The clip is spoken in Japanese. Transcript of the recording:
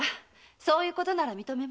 そういうことなら認めます。